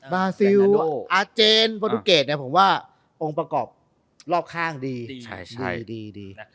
บาซิลอาเจนโปรตุเกตเนี่ยผมว่าองค์ประกอบรอบข้างดีดี